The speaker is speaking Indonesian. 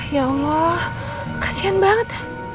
ya allah kasihan banget